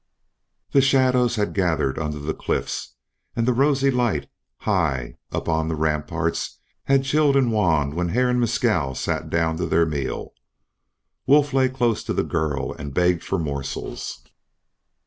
The shadows had gathered under the cliffs, and the rosy light high up on the ramparts had chilled and waned when Hare and Mescal sat down to their meal. Wolf lay close to the girl and begged for morsels.